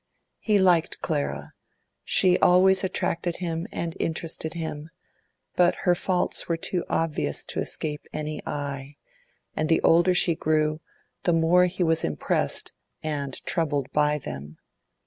He liked Clara; she always attracted him and interested him; but her faults were too obvious to escape any eye, and the older she grew, the more was he impressed and troubled by them.